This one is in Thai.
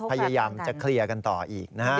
มีการพยายามจะเคลียร์กันต่ออีกนะครับ